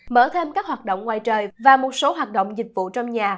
mở thêm các hoạt động ngoài trời và một số hoạt động dịch vụ trong nhà